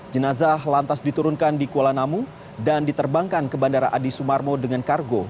jenazah lantas diturunkan di kuala namu dan diterbangkan ke bandara adi sumarmo dengan kargo